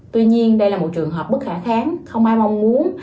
tuy nhiên đây là một trường hợp bất khả kháng không ai mong muốn